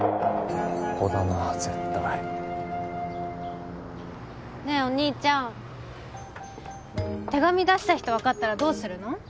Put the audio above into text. ここだな絶対ねえお兄ちゃん手紙出した人分かったらどうするの？